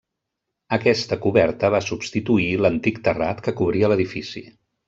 Aquesta coberta va substituir l'antic terrat que cobria l'edifici.